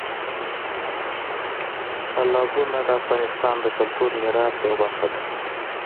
تالابونه د افغانستان د کلتوري میراث یوه برخه ده.